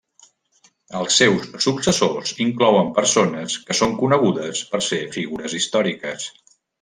Els seus successors inclouen persones que són conegudes per ser figures històriques.